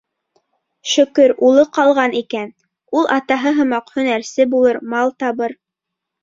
Шөкөр, улы ҡалған икән, ул атаһы һымаҡ һәнәрсе булыр, мал табыр.